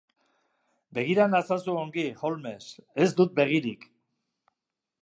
Begira nazazu ongi, Holmes, ez dut begirik.